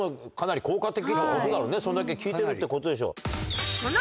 そんだけ効いてるってことでしょう。